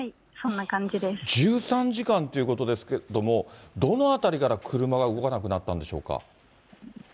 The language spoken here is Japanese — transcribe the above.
１３時間ということですけれども、どの辺りから車が動かなくなったんでしょうか。